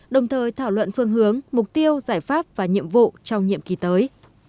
đồng thời thảo luận phương hướng mục tiêu giải pháp và nhiệm vụ trong nhiệm kỳ tới